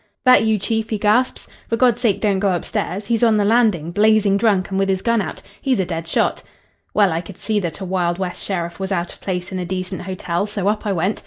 "'That you, chief?' he gasps. 'For God's sake don't go upstairs. 's on the landing, blazing drunk and with his gun out. He's a dead shot.' "Well, I could see that a Wild West sheriff was out of place in a decent hotel, so up I went.